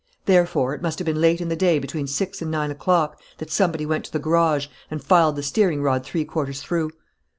Therefore, it must have been late in the day between six and nine o'clock, that somebody went to the garage and filed the steering rod three quarters through."